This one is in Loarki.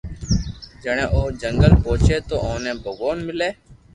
جڻي او جنگل پوچي تو اوني ڀگوان ملي